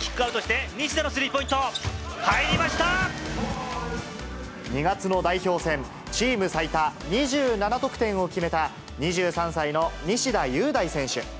キックアウトして、西田のス２月の代表選、チーム最多２７得点を決めた、２３歳の西田優大選手。